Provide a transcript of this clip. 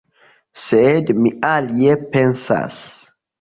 Sed mi alie pensas.